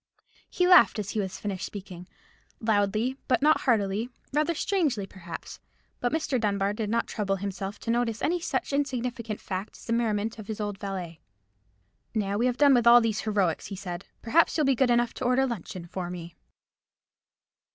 He laughed as he finished speaking, loudly but not heartily—rather strangely, perhaps; but Mr. Dunbar did not trouble himself to notice any such insignificant fact as the merriment of his old valet. "Now we have done with all these heroics," he said, "perhaps you'll be good enough to order luncheon for me."